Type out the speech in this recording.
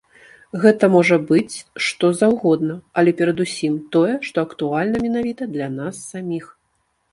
Гэта можа быць што заўгодна, але перадусім, тое, што актуальна менавіта для нас саміх.